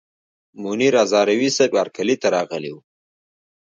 منیر هزاروي صیب هرکلي ته راغلي ول.